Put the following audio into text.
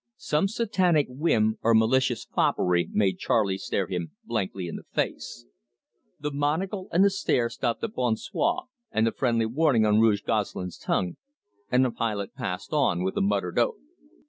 Some satanic whim or malicious foppery made Charley stare him blankly in the face. The monocle and the stare stopped the bon soir and the friendly warning on Rouge Gosselin's tongue, and the pilot passed on with a muttered oath.